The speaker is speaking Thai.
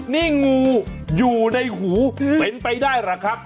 นี่งูอยู่ในหูเป็นไปได้หรือครับ